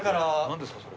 何ですか？